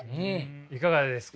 いかがですか？